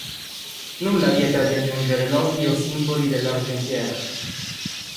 Nulla vieta di aggiungere loghi o simboli dell'argentiere.